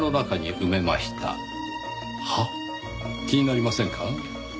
気になりませんか？